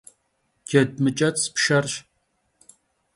Ced mıç'ets' pşşerş.